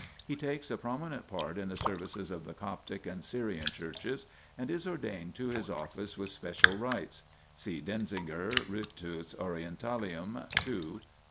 He takes a prominent part in the services of the Coptic and Syrian Churches and is ordained to his office with special rites (see Denzinger, Ritus Orientalium, ii, pp.